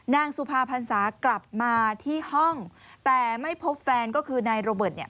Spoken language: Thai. นางสุภาพรษากลับมาที่ห้องแต่ไม่พบแฟนก็คือนายโรเบิร์ตเนี่ย